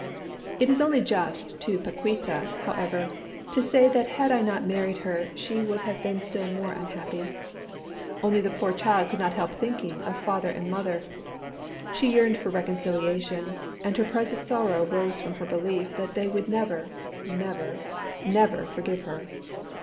It is only just to Paquíta, however, to say that had I not married her she would have been still more unhappy. Only the poor child could not help thinking of father and mother; she yearned for reconciliation, and her present sorrow rose from her belief that they would never, never, never forgive her.